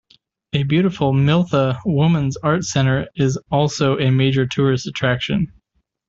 A beautiful Mithila Women's Art Center is also a major tourist attraction.